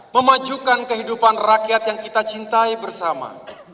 memajukan kehidupan rakyat yang kita cintai bersama